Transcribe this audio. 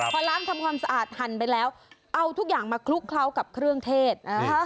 พอล้างทำความสะอาดหั่นไปแล้วเอาทุกอย่างมาคลุกเคล้ากับเครื่องเทศ